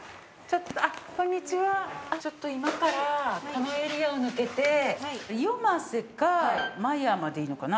こんにちはちょっと今からこのエリアを抜けてよませか間山でいいのかな